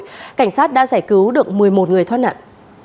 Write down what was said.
cảnh sát đã giải cứu được một mươi một người thoát nạn